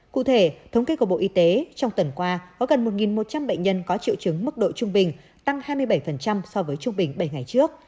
cụ thể thống kê của bộ y tế trong tuần qua có gần một một trăm linh bệnh nhân có triệu chứng mức độ trung bình tăng hai mươi bảy so với trung bình bảy ngày trước